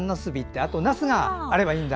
あと、なすがあればいいんだ。